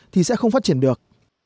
thì sẽ không phát triển được